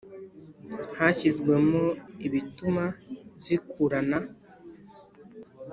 hashyizwemo ibituma zikururana